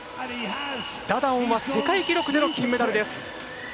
ダダオンは世界記録での金メダルです。